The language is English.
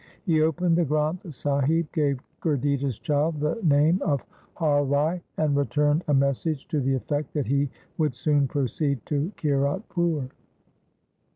He opened the Granth Sahib, gave Gurditta's child the name of Har Rai, and returned a message to the effect that he would soon proceed to Kiratpur.